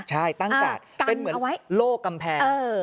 ใช่ตั้งกาดเป็นเหมือนโลกกำแพง